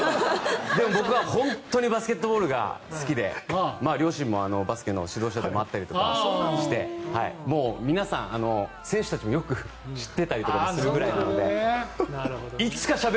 でも僕は本当にバスケットボールが好きで両親もバスケの指導者でもあったりとかしてもう皆さん、選手たちもよく知っていたりとかもするぐらいなので。